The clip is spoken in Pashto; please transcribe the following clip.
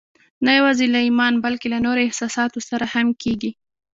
نه يوازې له ايمان بلکې له نورو احساساتو سره هم کېږي.